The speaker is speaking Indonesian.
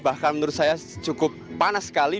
bahkan menurut saya cukup panas sekali